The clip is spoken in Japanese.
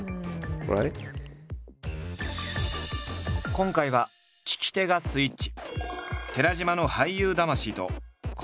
今回は聞き手がスイッチ。